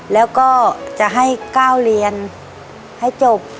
แล้วก็จะให้ก้าวเรียนให้จบ